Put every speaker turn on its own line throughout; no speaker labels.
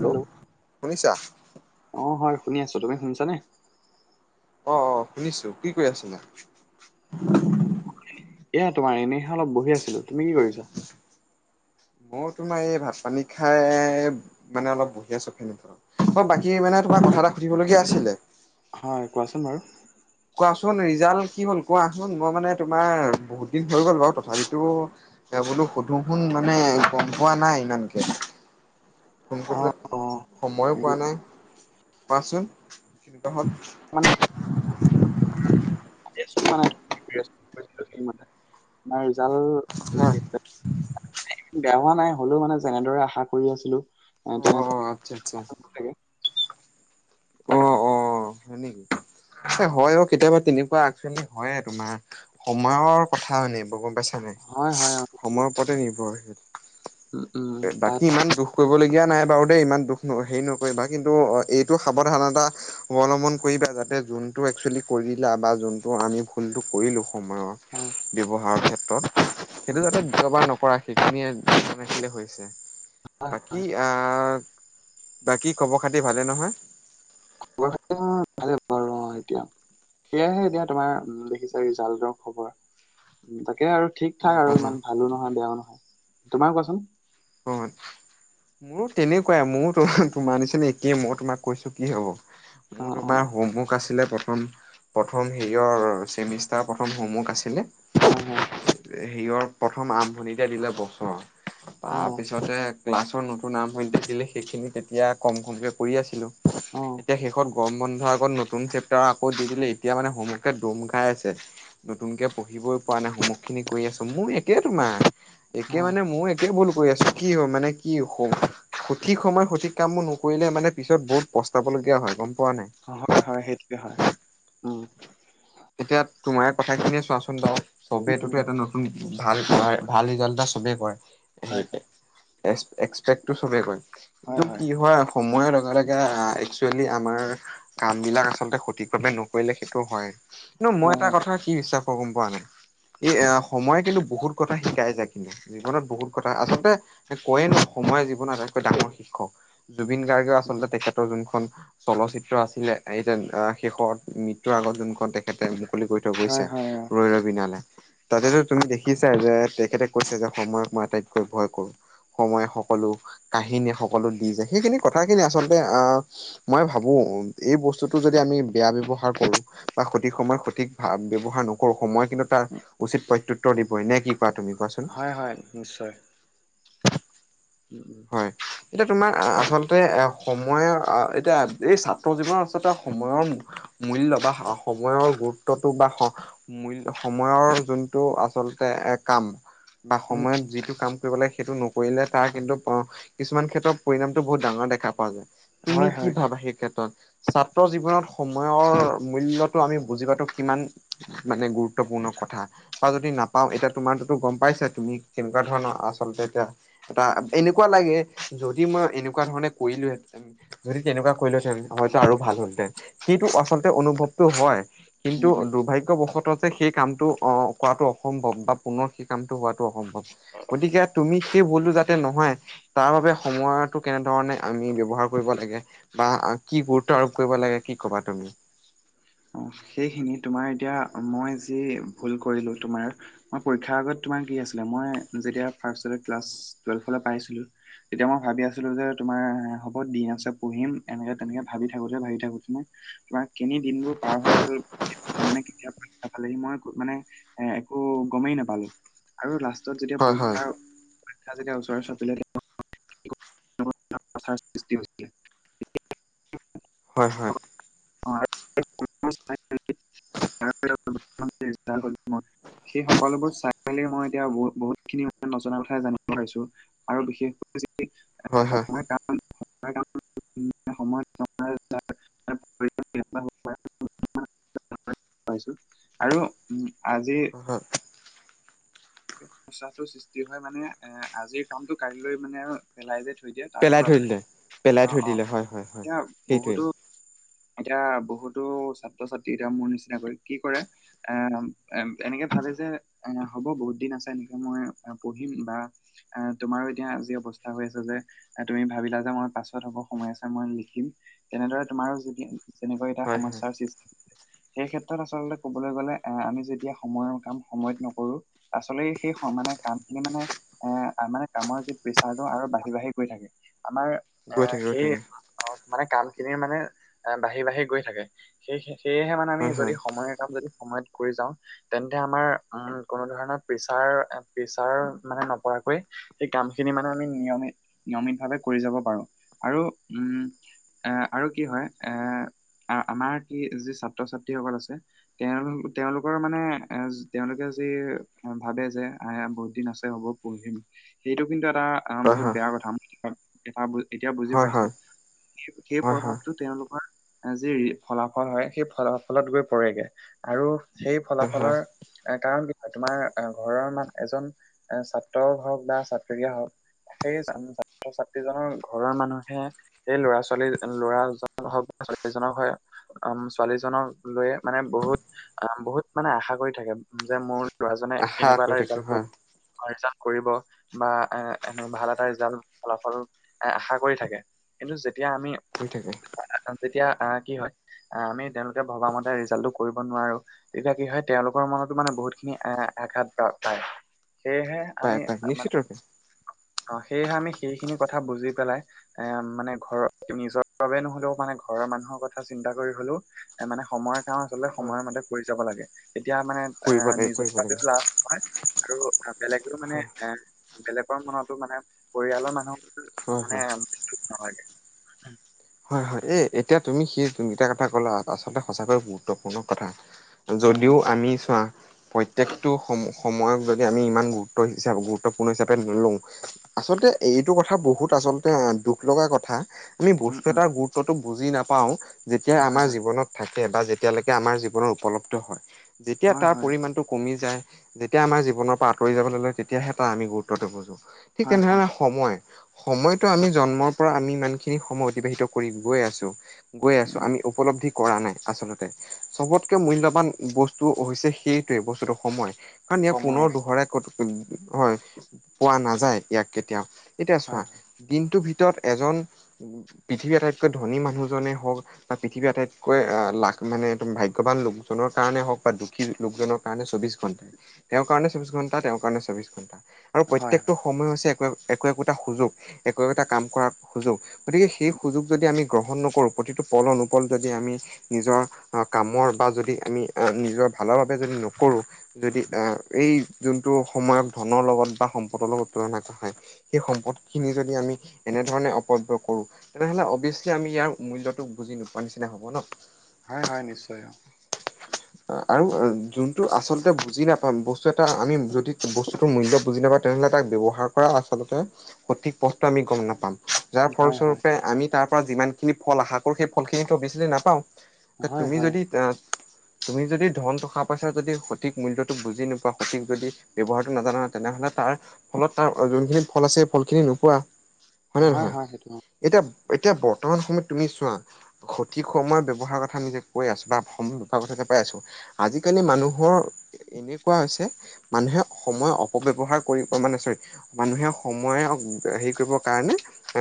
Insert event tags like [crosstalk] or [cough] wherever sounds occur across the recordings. Hello শুনিছা?
অ', হয় শুনি আছো, তুমি শুনিছানে?
অ', অ', শুনিছো, কি কৰি আছিলা?
এয়া তোমাৰ এনেইহে অলপ বহি আছিলো, তুমি কি কৰিছা?
মই তোমাৰ এই ভাত পানী খাই মানে অলপ বহি আছো ফেনৰ তলত। অ', বাকী মানে তোমাৰ কথা এটা সুধিবলগীয়া আছিলে।
হয়, কোৱাচোন বাৰু।
কোৱাচোন ৰিজাল্ট কি হ'ল কোৱাচোন, মই মানে তোমাৰ বহুত দিন হৈ গ'ল বাৰু তথাপিতো বোলো সুধো শুন মানে গম পোৱা নাই ইমানকে। ফোন
অ
কৰিবলে
অ
সময়ো
এই
পোৱা নাই, কোৱাচোন তহঁত
[unintelligible] আমাৰ ৰিজালট
হা
বেয়া হোৱা নাই, হলেও মানে যেনেদৰে আশা কৰি আছিলো এ
অ আচ্ছা আচ্ছা
তেনে
অ
[inaudible]
অ', হয় নেকি? হয়, অ', কেতিয়াবা তেনেকুৱা একচোৱেল হয়য়ে তোমাৰ, সময়ৰ কথা [unintelligible]
হয় হয় অ সেইটোৱে।
সময়ৰ ওপতে নিৰ্ভৰশীল,
উম উম
বাকী
তাত
ইমান দুখ কৰিবলগীয়া নাই বাৰু দেই, ইমান দুখ ন হেৰি নকৰিবা। কিন্তু, এইটো সাৱধানতা অৱলম্বন কৰিবা যাতে, যোনটো একচুৱেলি কৰিলা বা যোনটো আমি ভুলটো কৰিলো সময়ত
হয়।
ব্যৱহাৰৰ ক্ষেত্ৰত,
উম উম,
সেইটো যাতে দুবাৰ নকৰা সেইখিনিয়ে [unintelligible] হৈছে।
হয় হয়
বাকী আ বাকী খবৰ খাতি ভালে নহয়?
খবৰ খাতি ভাল। নোৱাৰো মই এতিয়া, সেয়াহে এতিয়া তোমাৰ ৰিজাল্ট দেখিছা ৰিজাল্টৰ খবৰ তাকে আৰু ঠিক ঠাক
অ',
আৰু
অ',
ইমান ভালো নহয়, বেয়াও নহয়, তোমাৰ কোৱাচোন?
হয়। মোৰো তেনেকুৱাই মোৰো তোমাৰ নিচিনাই একেই, মই তোমাক কৈছো কি হ'ব।
অ
মোৰ
অ
তোমাৰ হোমৱৰ্ক আছিলে প্ৰথম। প্ৰথম হেৰিয়ৰ চেমিষ্টাৰ প্ৰথম হোমৱৰ্ক আছিলে।
হয়, হয়।
হেৰিয়ৰ প্ৰথম আৰম্ভণিতে দিলে বছৰ
অ
তাৰ পিছতে ক্লাছৰ নতুন আৰম্ভনিতে দিলে, সেইখিনি তেতিয়া কম কমকে কৰি আছিলো।
অ
এতিয়া শেষত গম বন্ধৰ আগত নতুন চেপটাৰ আকৌ দি দিলে, এতিয়া মানে হোমৱৰ্কে দম খাই আছে। নতুনকে পঢ়িবই পৰা নাই, হোমৱৰ্ক খিনি কৰি আছো। মোৰ একে তোমাৰ,
অ
একে মানে মোৰ [unintelligible] ভুল কৰি আছো, কি হ মানে কি সঠিক সময়ত সঠিক কামবোৰ নকৰিলে মানে পিছত বহুত পস্তাবলগীয়া হয় গম পোৱা নাই।
হয়, হয়, সেইটোৱে হয়, উম।
এতিয়া তোমাৰ কথাখিনিয়ে চোৱাচোন বাৰু, চবেতো
উম
এটা নহয়। ভাল, ভাল ৰিজাল্ট এটা চবেই কৰে।
হয় হয়
সেই এক্সপেক্টটো চবেই কৰে, কিন্তু কি হয় সময়ৰ লগে লগে একচুৱেলি আমাৰ কাম বিলাক আচলতে সঠিকভাৱে নকৰিলে সেইটো হয়। কিন্তু মই
হয়
এটা
হয়
কথা কি বিশ্বাস কৰো গম পোৱা নাই। এই সময়ে কিন্তু বহুত কথা শিকাই যায় কিন্তু। জীৱনত বহুত কথা, আচলতে কয়ে নহ সময়ে জীৱন আটাইতকৈ ডাঙৰ শিক্ষক। জুবিন
উম
গাৰ্গেও যোনখন চলচিত্ৰ আছিলে, শেষত মৃত্যুৰ আগত যোনখন তেখেতে মুকলি কৰি থৈ
হয়
গৈছে,
হয় অ
ৰৈ ৰ বিনালে তাতেটো তুমি দেখিছাই যে, তেখেতে কৈছে যে সময়ক মই আটাইতকৈ ভয় কৰো সময়ে সকলো কাহিনীয়ে সকলো দি যায়, সেইখিনি কথাখিনি আচলতে আহ মই ভাবোঁ, এই বস্তুটো যদি আমি বেয়া ব্যৱহাৰ কৰোঁ, বা সঠিক সময় সঠিক ভাৱ ব্যৱহাৰ নকৰো, সময় কিন্তু, তাৰ উচিত প্ৰত্যুত্তৰ দিবই নে কি? কোৱা তুমি কোৱাচোন
হয় হয়, নিশ্চয়। উম উম।
হয় এতিয়া তোমাৰ আচলতে, এ সময়ৰ এতিয়া এই ছাত্ৰ জীৱনৰ আচলতে সময়ৰ মূল্য বা সময়ৰ গুৰুত্বটো বা মূল্য সময়ৰ যোনটো আচলতে এ কাম বা
উম
সময়ত যিটো কাম কৰিব লাগে সেইটো নকৰিলে তাৰ কিন্তু, অ', কিছুমান ক্ষেত্ৰৰ পৰিণামটো বহুত ডাঙৰ দেখা পোৱা যায়, তুমি
হয়
কি
হয়
ভাবাঁ সেই ক্ষেত্ৰত? ছাত্ৰ জীৱনত সময়ৰ মূল্যটো আমি বুজি পোৱাটো কিমান মানে গুৰুত্বপূৰ্ণ কথা। বা যদি নাপাওঁ, এতিয়া তোমাৰটো গম পাইছাই, তুমি কেনেকুৱা ধৰণৰ আচলতে এতিয়া এটা এনেকুৱা লাগে, যদি মই এনেকুৱা ধৰণে কৰিলোঁহেতেন, যদি তেনেকুৱা কৰিলোঁহেতেন হয়তো আৰু ভাল হল হেতেন, সেইটো আচলতে অনুভৱটো হয়,
উম
কিন্তু দুৰ্ভাগ্যবশত সেই কামটো অ', কৰাটো অসম্ভৱ বা পুনৰ সেই কামটো হোৱাটো অসম্ভৱ, গতিকে তুমি সেই ভুলটো যাতে নহয়, তাৰ বাবে সময়টো কেনেধৰণে আমি ব্যৱহাৰ কৰিব লাগে বা কি গুৰুত্ব আৰোপ কৰিব লাগে কি ক'বা তুমি?
অ', সেইখিনি তোমাৰ এতিয়া মই যি ভুল কৰিলোঁ, তোমাৰ পৰীক্ষাৰ আগত তোমাক কি [unintelligible] আছিলোঁ মই যেতিয়া তেতিয়া মই ভাবি আছিলোঁ যে, তোমাৰ হ'ব দিন আছে পঢ়িম এনেকে তেনেকে ভাবি থাকোতে ভাবি থাকোঁতে তোমাৰ কেনি দিনবোৰ পাৰ হৈ গ'ল মানে, কেতিয়া পাৰীখা পালেহি, মই মানে একো গমেই নাপালো। আৰু লাষ্টত যেতিয়া
হয় হয়
পৰীক্ষাৰ যেতিয়া ওচৰ চাপিলে, [unintelligible] সৃষ্টি হৈ আছিল
হয় হয়।
হৈছিলে [unintelligible] সেই সকলোবোৰ চাই, মই এতিয়া বহুত খিনি মই নজনা কথাই জানিব পাৰিছোঁ। আৰু বিশেষকৈ
হয় হয়।
সময় কাম সময় অ [unintelligible] পইছোঁ আৰু উ, আজি [unintelligible]
হয়।
সচাঁটো সৃষ্টি হয় মানে, এ আজিৰ কামটো কাইলৈ মানে, পেলাই যে থৈ দিয়ে, তাৰ
পেলাই
ফলত
থৈ
হয়,
দিলে পেলাই
অ
থৈ
অ',
দিলে হয় হয় হয়
এতিয়া
সেইটোৱে
বহুতো এতিয়া বহুতো ছাত্ৰ-ছাত্ৰী এতিয়া মোৰ নিচিনা কৈ কি কৰে আহ, এনেকে ভাবে যে এ, হ'ব বহুত দিন আছে, এনেকে মই পঢ়িম বা অ', তোমাৰো এতিয়া যি অৱস্থা হৈ আছে যে তুমি ভাবিলাঁ যে, মই পাছত হ'ব সময় আছে মই লিখিম, তেনেদৰে তোমাৰো যেনেকুৱা এটা
হয় হয়
সমস্যাৰ সৃষ্টি সেই ক্ষেত্ৰত আচলতে কবলৈ গ'লে এ, আমি যেতিয়া সময়ৰ কাম সময়ত নকৰো আচলতে সেই সমানে কাম খিনি মানে এ, আমাৰ কামৰ যি প্ৰেচাৰটো, আৰু বাঢ়ি বাঢ়ি গৈ থাকে, আমাৰ
গৈ
অ',
থাকে গৈ
সেই
থাকে
মানে কাম খিনিৰ মানে বাঢ়ি, বাঢ়ি গৈ থাকে, সেই সেয়েহে মানে আমি
হয়
যদি
হয়
সময়ৰ কাম যদি সময়ত কৰি যাওঁ তেন্তে আমাৰ উম, কোনো ধৰণৰ পেচাৰ পেচাৰ মানে নপৰাকৈ সেই কামখিনি মানে আমি নিয়মিত-নিয়মিতভাৱে কৰি যাব পাৰোঁ আৰু উম এ, আৰু কি হয়, এ, আমাৰ কি যি ছাত্ৰ ছাত্ৰীসকল আছে তেওঁলো-তেওঁলোকৰ মানে এ, তেওঁলোকে যি এ, ভাবে যে আ, বহুত দিন আছে হ'ব পঢ়িম, সেইটো কিন্তু এটা অ',
হয়
বহুত
হয়
বেয়া কথা এ, এতিয়া বুজি
হয় হয়
পাইছোঁ সেই
হয় হয়
প্ৰভাৱটো তেওঁলোক যি ফলাফল হয়, সেই ফলাফলত গৈ পৰেগে আৰু সেই
হয় হয়
ফলাফলৰ কাৰণ কি হয়, তোমাৰ ঘৰৰ মান এজন এ, ছাত্ৰ হওঁক বা ছাত্ৰীয়ে হওঁক সেই ছাত্ৰ ছাত্ৰী, ছাত্ৰী জনৰ ঘৰৰ মানুহে সেই ল'ৰা ছোৱালী ল'ৰাজ [unintelligible] ছোৱালীজনৰ হয় উম, ছোৱালী জনক লৈয়ে মানে বহুত, বহুত মানে আশা কৰি থাকে যে মোৰ ল'ৰাজনে
আশা
এনেকুৱা
কৰি
এটা
থাকে
ৰিজাল্ট
হয়
কৰিব। এনেকুৱা ৰিজাল্ট কৰিব বা এ, এ, ভাল এটা ৰিজাল্ট ফলাফল এ, আশা কৰি থাকে। কিন্তু যেতিয়া আমি
[unintelligible] থাকে।
যেতিয়া আহ, কি হয়, আমি তেওঁলোকে ভবা মতে ৰিজাল্টটো কৰিব নোৱাৰো তেতিয়া কি হয়, তেওঁলোকৰ মনতো মানে বহুতখিনি এ, আঘাত প্ৰাপ্ত হয়, সেয়েহে আমি
পায়, পায়
মানে
নিশ্চয়িতৰূপে।
অ', সেয়েহে আমি সেইখিনি কথা বুজি পেলাই এ, মানে ঘৰৰ নিজৰ বাবে নহ'লেও মানে ঘৰৰ মানুহৰ কথা চিন্তা কৰি হ'লেও এ, মানে সময়ত কাম আচলতে
হয়
সময়মতে কৰি যাব লাগে, এতিয়া মানে এ,
কৰিব লাগে
নিজৰ
কৰিব
বাবে
লাগে
লাভ হয় আৰু বেলেগেও মানে
হয়
এ, বেলেগৰ মনতো মানে পৰিয়ালৰ মানুহ
হয়
মানে
হয়
[unintelligible] নহয়।
হয়, হয়, এ, এতিয়া তুমি সি যোনকিটা কথা ক'লা, আচলতে সঁচাকৈয়ে গুৰুত্বপূৰ্ণ কথা।
হয়
যদিও
হয়
আমি চোৱা পই প্ৰত্যেকটো সম-সময়ক যদি আমি ইমান গুৰুত্ব হিচাপে গুৰুত্বপূৰ্ণ হিচাপে ধৰি লওঁ আচলতে এইটো কথা বহুত আচলতে দুখ লগা কথা আমি
উম উম
এটা গুৰুত্বতটো বুজি নাপাওঁ, যেতিয়াই
হয়
আমাৰ
হয়
জীৱনত থাকে বা যেতিয়ালৈকে আমাৰ জীৱনত উপলব্ধ হয়, যেতিয়া
হয়
তাৰ
হয়
পৰিমানটো কমি যায় যেতিয়া আমাৰ জীৱনৰ পৰা আঁতৰি যাবলৈ লয়, তেতিয়াহে তাৰ আমি গুৰুত্বটো বুজো। ঠিক
হয় হয়
তেনেধৰণে সময়! সময়তো আমি জন্মৰ পৰা আমি ইমান খিনি সময় অতিবাহিত কৰি গৈ আছোঁ, গৈ আছো
উম
আমি উপলব্ধি কৰা নাই আচলতে, চবতকে মূল্যবান বস্তু হৈছে সেইটোৱে বস্তুটো সময়। কাৰণ ইয়াক
সময়ে
পুনৰ দোহৰাই হয়, পোৱা নাযায় ইয়াক কেতিয়াও এতিয়া চোৱা
হয় হয়
দিনটোৰ ভিতৰত এজন পৃথিৱীৰ আটাইতকৈ ধনী মানুহজনেই হওঁক বা পৃথিৱী আটাইতকৈ আহ, লাখ মানে এইটো ভাগ্যৱান লোকজনৰ কাৰণে হওঁক বা দুখী লোকজনক কাৰণে চৌবিশ ঘণ্টা, তেওঁৰ কাৰণেও চৌবিশ ঘণ্টা, তেওঁৰ কাৰণেও চৌবিশ ঘণ্টা। আৰু
হয় হয়
প্ৰত্যেকটো সময় হৈছে একো একো একোটা সুযোগ, একো একোটা কাম কৰাৰ সুযোগ গতিকে সেই সুযোগ যদি আমি গ্ৰহণ নকৰোঁ, প্ৰতিটো পল অনুপল যদি আমি নিজৰ কামৰ বা যদি আমি আহ, নিজৰ ভালৰ বাবে যদি নকৰোঁ যদি এ, এই যোনটো সময়ত ধনৰ লগত বা সম্পদৰ লগত তুলনা নহয় সেই সম্পদখিনি যদি আমি এনেধৰণে অপবয় কৰোঁ তেনেহ'লে অভিয়াছলি আমি ইয়াৰ মূল্যটো বুজি নোপোৱা নিচিনা হ'ব ন!
হয়, হয়, নিশ্চয় অ'।
আৰু যোনটো আচলতে বুজি নাপাম, বস্তু এটা আমি যদি বস্তুতো মূল্য বুজি নাপাও তেনেহ'লে তাক ব্যৱহাৰ কৰা আচলতে সঠিক পথটো আমি গম নাপাম, যাৰ
হয়
ফলস্বৰূপ
হয়
পে আমি তাৰ পৰা যিমানখিনি ফল আশা কৰোঁ, সেই ফলখিনিটো অবিয়াছলি নাপাওঁ।
হয়
তুমি
হয়
যদি আ তুমি যদি ধন টকা-পইচা যদি সঠিক মূল্যটো বুজি নোপোৱা, সঠিক যদি ব্যৱহাৰটো নাজানা তেনেহ'লে তাৰফলত তাৰ যোনখিনি ফল আছে ফলখিনি নোপোৱা। হয় নে নহয়? এতিয়া এতিয়া বৰ্তমান সময়ত তুমি চোৱা সঠিক সময় ব্যৱহাৰৰ কথা আমি যে কৈ আছোঁ বা সম ব্যৱহাৰ কথা যে কৈ আছোঁ আজিকালি মানুহৰ এনেকুৱা হৈছে মানুহে সময় অপব্যৱহাৰ কৰিব মানে চৰি মানুহে সময়ক হেৰি কৰিব কাৰণে এ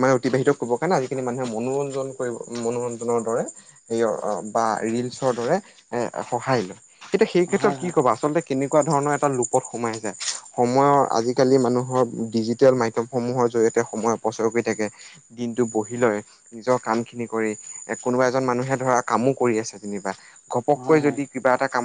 মানে অতিবাহিত কৰিবৰ কাৰণে আজিকালি মানুহে মনোৰঞ্জন কৰিব মনোৰঞ্জনৰ দৰে এইয়া বা ৰিলচৰ দৰে এ, সহায় লয় তেতিয়া সেই ক্ষেত্ৰত
হয়
কি
হয়
ক'ব, আচলতে কেনেকুৱা ধৰণৰ এটা লোপত সোমাই আহিছে, সময়ৰ আজিকালি মানুহৰ ডিজিটেল মাধ্যম সমূহৰ জৰিয়তে সময় অপচয় কৰি থাকে, দিনটো বহি লয়। নিজৰ কামখিনি কৰি এ, কোনোবা এজন মানুহে ধৰা কামো কৰি আছে যেনিবা ঘপককৈ
হয় হয়
যদি কিবা এটা কাম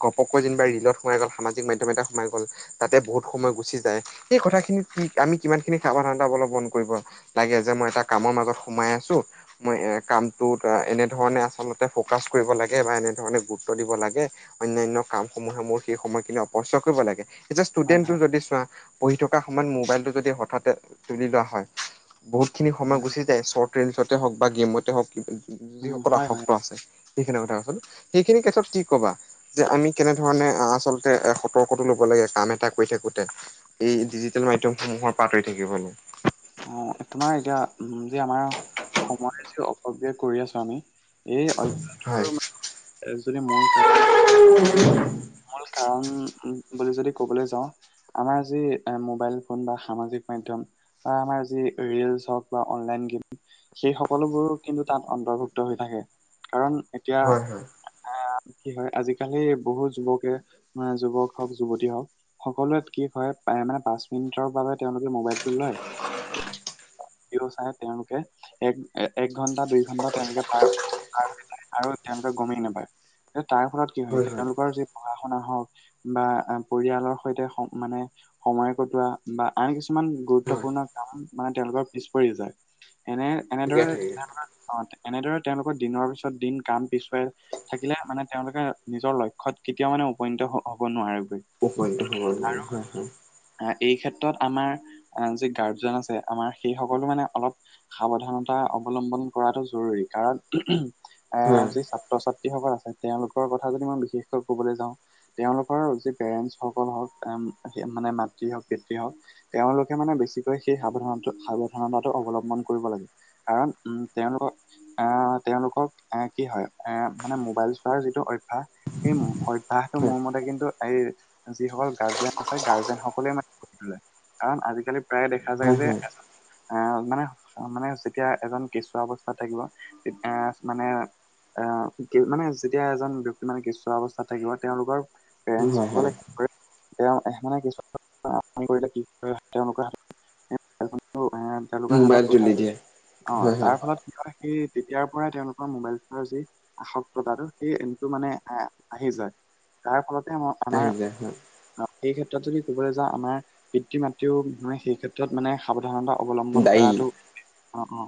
ঘপককে যেনিবা ৰীলত সোমাই গ'ল, সামাজিক মাধ্যম এটা সোমাই গ'ল তাতে বহুত সময় গুচি যায়, সেই কথাখিনিত কি আমি কিমানখিনি সাৱধানতা অৱলম্বন কৰিব লাগে যে মই এটা কামৰ মাজত সোমাই আছোঁ মই এ, কামটোত এনেধৰণে আচলতে ফকাচ কৰিব লাগে বা এনেধৰণে গুৰুত্ব দিব লাগে অন্যান্য কামসমূহে মোৰ সেই সময়খিনি অপচয় কৰিব লাগে। এতিয়া
হয় হয়
ষ্টুডেণ্টটো যদি চোৱা পঢ়ি থকা সময়ত মোবাইলটো যদি হঠাতে তুলি লোৱা হয় বহুতখিনি সময়
হয়
গুচি যায়, চৰ্ট ৰীলচতে হওক বা গেমতে হওক,
উম
যিসকল
হয় হয়
আসক্ত
অ
আছে। সেইখিনি কথা কচোন, সেইখিনিৰ ক্ষেত্ৰত কি কবা যে আমি কেনেধৰণে আচলতে এ, সতৰ্কতো ল'ব লাগে, কাম এটা কৰি থাকোতে ই ডিজিটেল মাধ্যমসমূহৰ পাৰ্থ হৈ থাকিবনো।
অ' তোমাৰ এতিয়া উ, যে আমাৰ সময় যি অপবয় কৰি আছোঁ আমি এই
হয়
অভ্যাসটোৰ মানে যদি মোৰ কাৰনে মূল কাৰণ বুলি যদি ক'বলৈ যাওঁ আমাৰ যি মোবাইল ফোন বা সামাজিক মাধ্যম আমাৰ যি ৰিলচ হওক বা অনলাইন গেম সেই সকলোবোৰো কিন্তু তাত অন্তৰ্ভুক্ত হৈ থাকে। কাৰণ এতিয়া
হয় হয়
আ, কি হয় আজিকালি বহুত যুৱকে যুৱক হওক, যুৱতী হওক সকলোৱে কি হয় প্ৰায় মানে পাঁচ মিনিটৰ বাবে তেওঁলোকে মোবাইলটো লয়। জিও চাই তেওঁলোকে, এক এক ঘণ্টা, দুই ঘন্টা তেওঁলোকে পাৰ আৰু তেওঁলোকে গমেই নাপায়, তাৰফলত কি হয় তেওঁলোকৰ যি পঢ়া শুনা হওক বা পৰিয়ালৰ সৈতে মানে স-সময় কটোৱা বা আন কিছুমান
হয়
গুৰুত্বপূৰ্ণ কাম মানে তেওঁলোকৰ পিছ পৰি যায়, এনে
ঠিকে
এনেদৰে
ঠিকে
মানে অ' এনেদৰে তেওঁলোকৰ দিনৰ পিছত দিন, কাম পিছুৱাই থাকিলে মানে তেওঁলোকে নিজৰ লক্ষ্যত কেতিয়াও মানে উপনীত হ'ব নোৱাৰে গৈ।
উপধ্য হ'বৰ মানে হয় হয়।
আ, এই ক্ষেত্ৰত আমাৰ যি গাৰ্জেন আছে আমাৰ সেই সকলো মানে অলপ সাৱধানতা অৱলম্বন কৰাটো জৰুৰী কাৰণ এ,
হয়
যি ছাত্ৰ ছাত তিসকল আছে তেওঁলোকৰ কথা যদি মই বিশেষকৈ কবলৈ যাওঁ তেওঁলোকৰ যি পেৰেণ্টচ সকল হওক মানে মা তৃ হওক পিতৃ হওক তেওঁলোকে মানে বেছিকৈ সেই সাৱধানত সাৱধানতাটো অৱলম্বন কৰিব লাগে। কাৰণ উ, তেওঁলোকৰ আ, তেওঁলোকক এ, কি হয় এ, মানে মোবাইল চোৱাৰ যিটো অভ্যাস সেই অভ্যাসটো
হয়
মোৰ মতে কিন্তু এই যিসকল গাৰ্জেন আছে গাৰ যেন সকলোৱে মান কৰি তোলে কাৰণ আজিকালি প্ৰায়ে দেখা যায়
হয় হয়
যে এজন আ, মানে মানে যেতিয়া এজন কেঁচুৱা অৱস্থাত থাকিব তেতিয়াছ মানে এ, মানে যেতিয়া এজন ব্যক্তি মানে কেঁচুৱা অৱস্থাত থাকিব তেওঁলোকৰ
হয় হয়
পেৰেন্টছসকলে কি কৰে তেওঁ এ, মানে কিছু [unintelligible] তেওঁলোকৰ
মোবাইল
হাতত
তুলি দিয়ে
[unintelligible] অ',
হয় হয়
তাৰ ফলত কি কয় সেই তেতিয়াৰ পৰাই তেওঁলোকৰ মোবাইলৰ যি আসক্ততাটো সেইটো মানে আহ আহি যায়। তাৰ ফলতে আম-আমাৰ
আহি যায় হয়
সেই ক্ষেত্ৰত যদি কবলৈ যাওঁ, আমাৰ পিতৃ-মাতৃও মানে সেই ক্ষেত্ৰত মানে সাৱধানতা অৱলম্বন
দায়ী
কৰাটো অ', অ',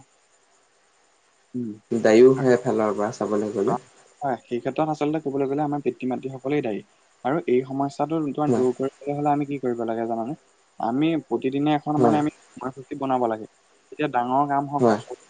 উম।
দায়ীও হয় এফালৰ পৰা চাবলৈ
অ
গ'লে।
হয়, সেই ক্ষেত্ৰত আচলতে কবলৈ গ'লে আমাৰ পিতৃ মাতৃ সকলেই দায়ী। আৰু এই সমস্যাৰটোৰ
হয়
দূৰ কৰি তেতিয়া হ'লে আমি কি কৰিব লাগে জানানে, আমি প্ৰতিদিনে এখন
হয়
মানে আমি [unintelligible] বনাব লাগে। তেতিয়া ডাঙৰ কাম
হয়
হওক বা